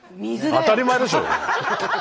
当たり前でしょ！